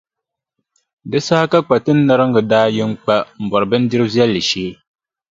Di saha ka Kpatinariŋga daa yi n-kpa m-bɔri bindirʼ viɛlli shee.